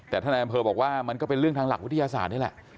แต่ท่านนายอำเภอบอกว่ามันก็เป็นเรื่องทางหลักวิทยาศาสตร์นี่แหละ